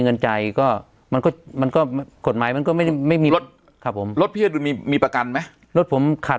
เงินใจก็มันก็มันก็กฎหมายมันก็ไม่ได้ไม่มีรถครับผมรถพี่อดุลมีมีประกันไหมรถผมขาด